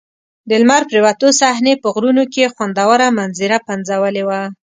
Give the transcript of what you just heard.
د لمر پرېوتو صحنې په غرونو کې خوندوره منظره پنځولې وه.